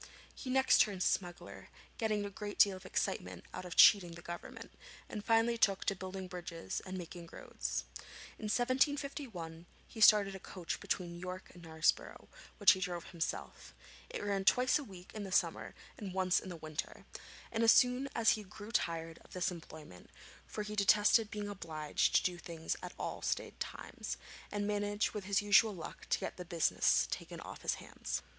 He next turned smuggler, getting a great deal of excitement out of cheating the Government, and finally took to building bridges and making roads. In 1751 he started a coach between York and Knaresborough, which he drove himself. It ran twice a week in the summer and once in the winter; and as soon as he grew tired of this employment, for he detested being obliged to do things at stated times, he managed with his usual luck to get the business taken off his hands.